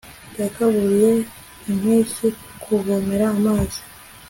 yagaburiye impeshyi, ikuvomera amazi